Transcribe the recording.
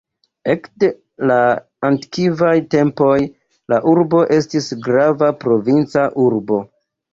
Ekde la antikvaj tempoj la urbo estis grava provinca urbo.